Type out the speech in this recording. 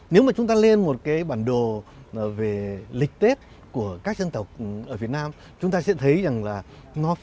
nếu mà chúng ta lên một cái bản đồ về lịch tết của các dân tộc ở việt nam chúng ta sẽ thấy rằng là nó phân bố rải rác